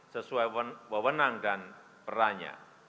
sesuai wewenang dan perannya